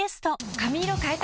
髪色変えた？